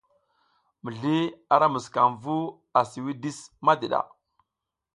Mizliy ara musukam vu asi widis madiɗa.